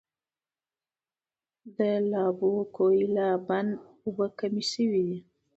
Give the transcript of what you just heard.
د لابوکویلا بند اوبه کمې شوي دي.